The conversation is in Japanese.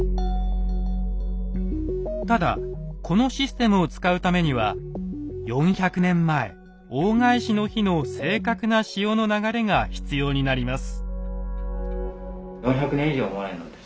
ただこのシステムを使うためには４００年前大返しの日の正確な潮の流れが必要になります。